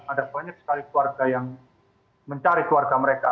ada banyak sekali keluarga yang mencari keluarga mereka